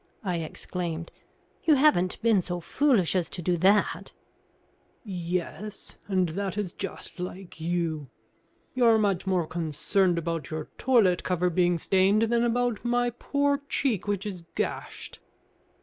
I exclaimed. "You haven't been so foolish as to do that?" "Yes. And that is just like you. You are much more concerned about your toilet cover being stained than about my poor cheek which is gashed."